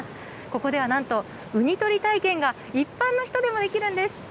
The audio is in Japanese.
ここではなんと、ウニ取り体験が一般の人でもできるんです。